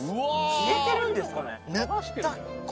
消えてるんですかね？